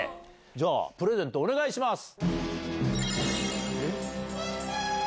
じゃあ、プレゼントお願いします。